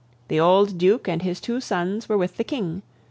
The old Duke and his two sons were with the King.